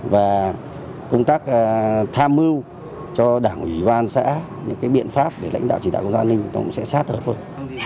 và công tác tham mưu cho đảng ủy ủy ban xã những biện pháp để lãnh đạo chỉ đạo công tác an ninh sẽ sát hợp hơn